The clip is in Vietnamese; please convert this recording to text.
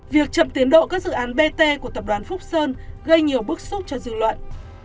việc chậm tiến độ các dự án bt của tập đoàn phúc sơn gây nhiều bức xúc cho dư luận